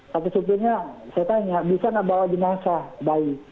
tapi supirnya saya tanya bisa nggak bawa jenazah bayi